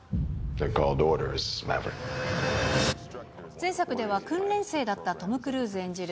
前作では訓練生だったトム・クルーズ演じる